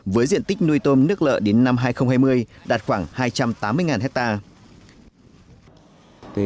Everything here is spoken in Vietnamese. với diện tích nuôi tôm nước lợ đến năm hai nghìn hai mươi đạt khoảng hai trăm tám mươi hectare